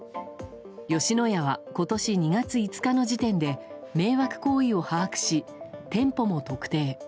吉野家は今年２月５日の時点で迷惑行為を把握し、店舗も特定。